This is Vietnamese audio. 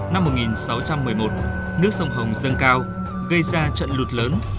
năm một nghìn sáu trăm một mươi một nước sông hồng dâng cao gây ra trận lụt lớn